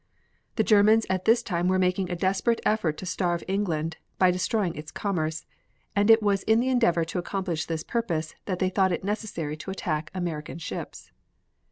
The Germans at this time were making a desperate effort to starve England, by destroying its commerce, and it was in the endeavor to accomplish this purpose that they thought it necessary to attack American ships.